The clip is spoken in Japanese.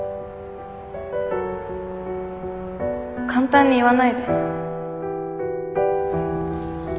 簡単に言わないで。